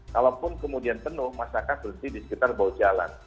kalaupun kemudian penuh masyarakat berhenti di sekitar bau jalan